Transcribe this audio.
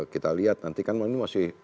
kita lihat nanti kan ini masih